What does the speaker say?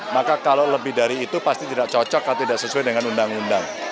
maka kalau lebih dari itu pasti tidak cocok atau tidak sesuai dengan undang undang